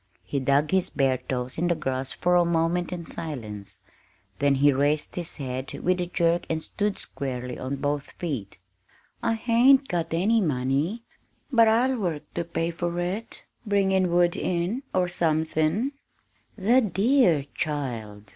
He dug his bare toes in the grass for a moment in silence, then he raised his head with a jerk and stood squarely on both feet. "I hain't got any money, but I'll work to pay for it bringin' wood in, or somethin'." "The dear child!"